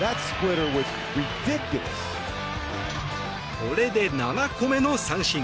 これで７個目の三振。